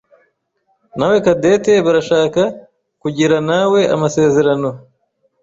nawe Cadette barashaka kugiranawe amasezerano.